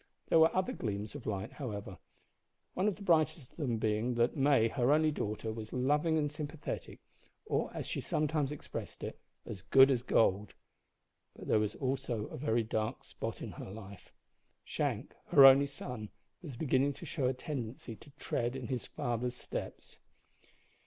There were other gleams of light, however, one of the brightest of them being that May, her only daughter, was loving and sympathetic or, as she sometimes expressed it, "as good as gold." But there was also a very dark spot in her life: Shank, her only son, was beginning to show a tendency to tread in his father's steps.